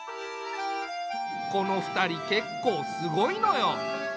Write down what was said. この２人結構すごいのよ。